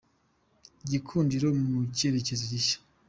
Gikundiro mu cyerekezo gishya